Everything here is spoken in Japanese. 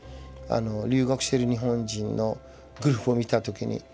留学してる日本人のグループを見た時に。